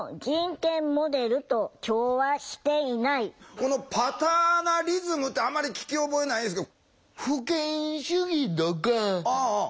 このパターナリズムってあんまり聞き覚えないですけど。